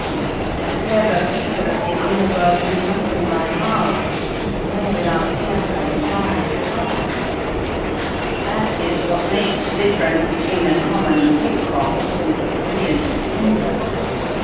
The clever people of the under world do nothing by halves nor without careful inquiry beforehand; that is what makes the difference between the common pickpocket and the brilliant swindler."